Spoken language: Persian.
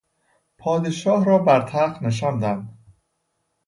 پادشاه را بر تخت نشاندن